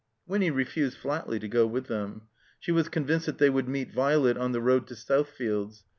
Winny refused flatly to go with them. She was convinced that they would meet Violet on the road to South fields.